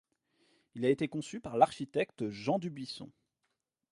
Il a été conçu par l'architecte Jean Dubuisson.